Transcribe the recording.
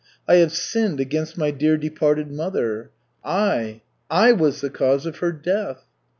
"I have sinned against my dear departed mother. I, I was the cause of her death!"